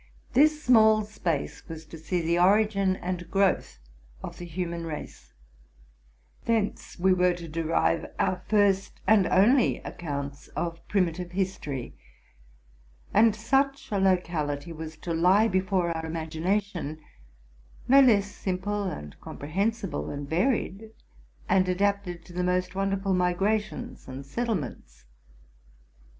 . This small space was to see the origin and growth of the human race; thence we were to derive our first and only accounts of primitive history; and such a locality was to lie before our imagination, no less simple and comprehensible than varied, and adapted to the most wonderful migrations and settlements.